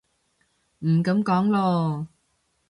噉唔講囉